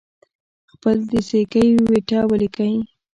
خپل د زیږی و نېټه ولیکل